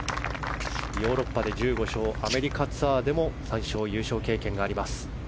ヨーロッパで１５勝アメリカツアーでも３勝優勝経験があります